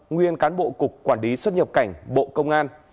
nguyên cán bộ cục quản lý xuất nhập cảnh bộ công an